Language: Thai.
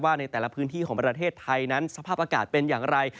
ในแต่ละพื้นที่ของประเทศไทยนั้นสภาพอากาศเป็นอย่างไร